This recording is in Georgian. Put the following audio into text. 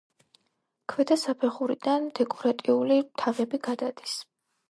ქვედა საფეხურიდან დეკორატიული თაღები გადადის.